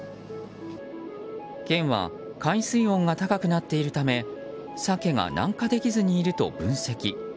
県は海水温が高くなっているためサケが南下できずにいると分析。